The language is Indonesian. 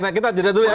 nah kita jeda dulu ya